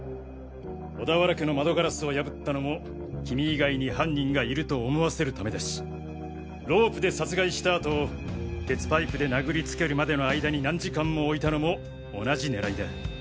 小田原家の窓ガラスを破ったのもキミ以外に犯人がいると思わせるためだしロープで殺害したあと鉄パイプで殴りつけるまでの間に何時間もおいたのも同じ狙いだ。